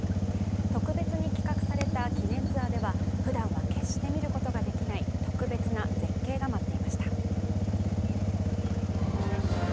特別に企画された記念ツアーではふだんは決して見ることができない特別な絶景が待っていました。